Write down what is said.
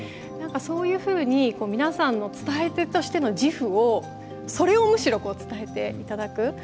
何かそういうふうに皆さんの伝え手としての自負をそれをむしろ伝えて頂く。